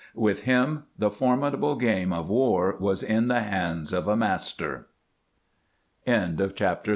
With him the formidable game of war was in the hands of a master.